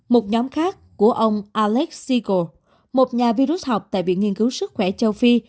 một nhóm khác của ông alex siegel một nhà virus học tại viện nghiên cứu sức khỏe châu phi